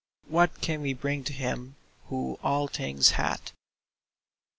What can we bring to him who all things hath